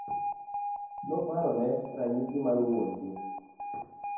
Noparone ranyisi mar wuon gi.